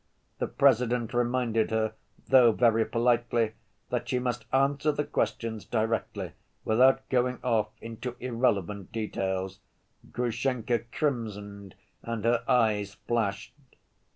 The President reminded her, though very politely, that she must answer the questions directly, without going off into irrelevant details. Grushenka crimsoned and her eyes flashed.